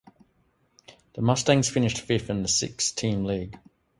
The Mustangs finished fifth in the six team league.